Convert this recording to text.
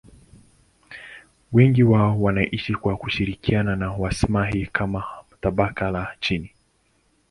Wengi wao wanaishi kwa kushirikiana na Wamasai kama tabaka la chini.